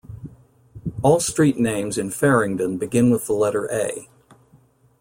All street names in Farringdon begin with the letter A.